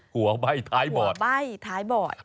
หัวใบ่ท้ายบอด